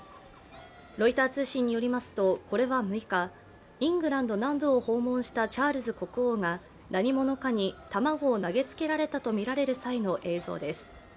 ロイター通信によりますとこれは６日、イングランド南部を訪問したチャールズ国王が、何者かに卵を投げつけられたとみられる際の映像です。